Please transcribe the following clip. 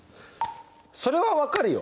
それは分かるよ。